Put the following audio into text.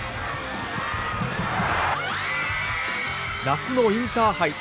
夏のインターハイ